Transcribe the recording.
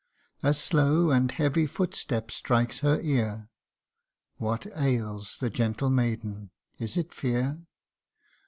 A slow and heavy footstep strikes her ear What ails the gentle maiden ? Is it fear